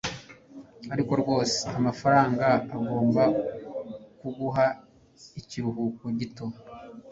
ariko rwose amafaranga agomba kuguha ikiruhuko gito